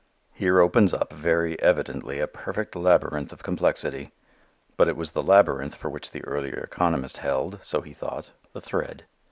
Here opens up, very evidently, a perfect labyrinth of complexity. But it was the labyrinth for which the earlier economist held, so he thought, the thread.